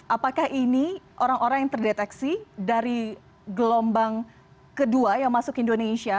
apakah ini orang orang yang terdeteksi dari gelombang kedua yang masuk indonesia